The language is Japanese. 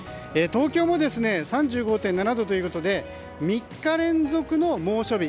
東京も３５．７度ということで３日連続の猛暑日。